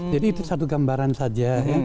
jadi itu satu gambaran saja